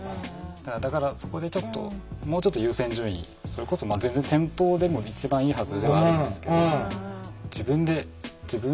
だからそこでもうちょっと優先順位それこそ全然先頭でも一番いいはずではあるんですけど。